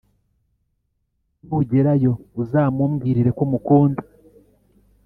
nugerayo uzamumbwirire komukunda